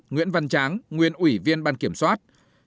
một nguyễn văn tráng nguyên ủy viên ban kiểm soát